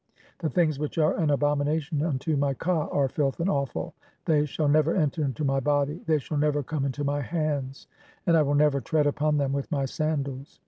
The things which are an abomination "unto my ka are filth and offal ; they shall never enter into "my body, (i3) they shall never come into my hands, and I "will never tread upon them with my sandals.